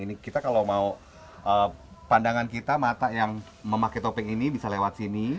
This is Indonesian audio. ini kita kalau mau pandangan kita mata yang memakai topping ini bisa lewat sini